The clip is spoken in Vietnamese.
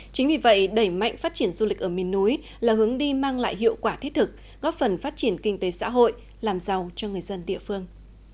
chính vì vậy đẩy mạnh phát triển du lịch ở miền núi là hướng đi mang lại hiệu quả thiết thực góp phần phát triển kinh tế xã hội làm giàu cho người dân địa phương